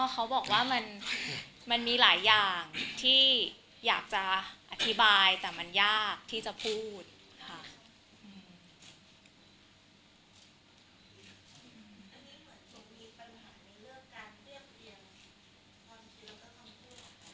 เขาบอกว่ามันมีหลายอย่างที่อยากจะอธิบายแต่มันยากที่จะพูดค่ะ